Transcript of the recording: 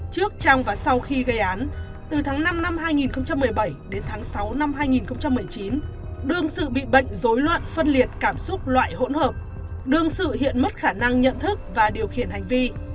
trước trong và sau khi gây án từ tháng năm năm hai nghìn một mươi bảy đến tháng sáu năm hai nghìn một mươi chín đương sự bị bệnh dối loạn phân liệt cảm xúc loại hỗn hợp đương sự hiện mất khả năng nhận thức và điều khiển hành vi